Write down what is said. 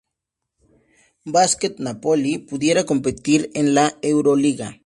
Basket Napoli pudiera competir en la Euroliga.